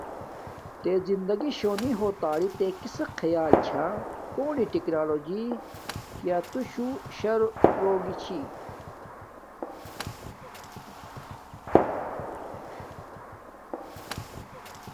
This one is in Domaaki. تے زندگی شونی ہنو تااری تے کسک خیال چھا کونی ٹکنالوجی کیا تو شو شا روتا ری۔